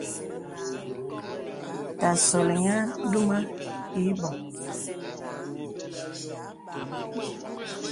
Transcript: Ta solì nyə̀ dumə ìbɔŋ.